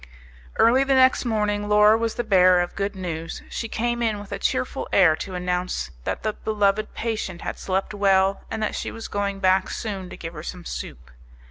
Early the next morning Laura was the bearer of good news. She came in with a cheerful air to announce that the beloved patient had slept well, and that she was going back soon to give her some soup.